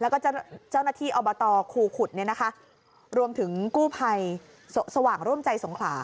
แล้วก็เจ้าหน้าที่อบตครูขุดเนี่ยนะคะรวมถึงกู้ภัยสว่างร่วมใจสงขลา